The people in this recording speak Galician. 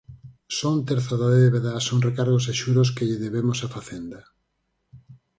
Só un terzo da débeda son recargos e xuros que lle debemos a Facenda.